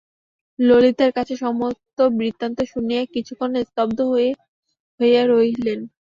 ললিতার কাছে সমস্ত বৃত্তান্ত শুনিয়া কিছুক্ষণ স্তব্ধ হইয়া রহিলেন।